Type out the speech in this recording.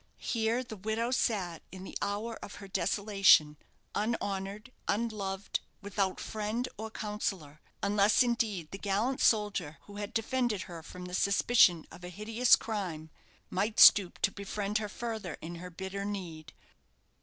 Here the widow sat in the hour of her desolation, unhonoured, unloved, without friend or counsellor; unless, indeed, the gallant soldier who had defended her from the suspicion of a hideous crime might stoop to befriend her further in her bitter need.